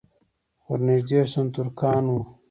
ور نږدې شوم ترکان وو.